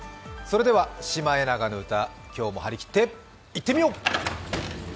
それでは「シマエナガの歌」今日も張りきっていってみよう。